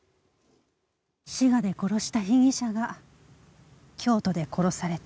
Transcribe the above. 滋賀で殺した被疑者が京都で殺された。